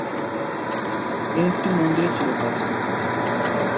এই একটি মন্দিরই চিরকাল ছিল।